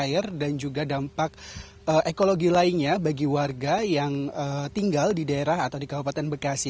air dan juga dampak ekologi lainnya bagi warga yang tinggal di daerah atau di kabupaten bekasi